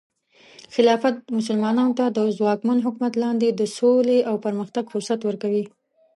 خلافت مسلمانانو ته د ځواکمن حکومت لاندې د سولې او پرمختګ فرصت ورکوي.